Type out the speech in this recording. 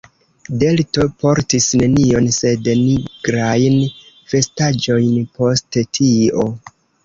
Delto portis nenion sed nigrajn vestaĵojn post tio.